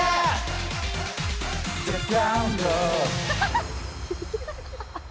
ハハハハ！